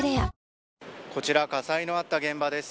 こちら火災のあった現場です。